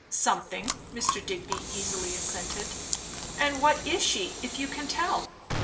"Something " Mr. Digby easily assented. "And what is she, if you can tell?"